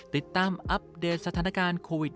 ติดตามอัปเดตสถานการณ์โควิด